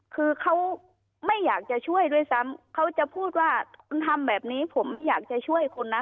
คือเขาไม่อยากจะช่วยด้วยซ้ำเขาจะพูดว่าคุณทำแบบนี้ผมอยากจะช่วยคนนะ